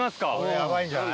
ヤバいんじゃない？